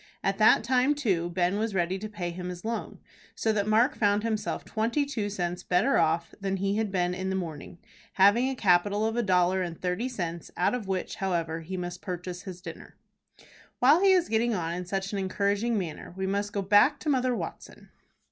At that time, too, Ben was ready to pay him his loan, so that Mark found himself twenty two cents better off than he had been in the morning, having a capital of a dollar and thirty cents, out of which, however, he must purchase his dinner. While he is getting on in such an encouraging manner we must go back to Mother Watson.